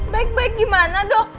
baik baik gimana dok